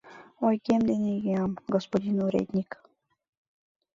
Ойгем дене йӱам, господин уредньык...